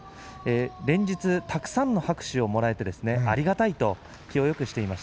連日たくさんの拍手をもらえてありがたいと言っています。